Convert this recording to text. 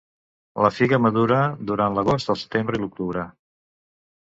La figa madura durant l'agost, el setembre i l'octubre.